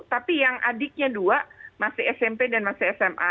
tapi yang adiknya dua masih smp dan masih sma